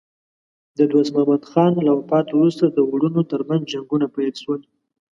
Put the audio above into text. د دوست محمد خان له وفات وروسته د وروڼو ترمنځ جنګونه پیل شول.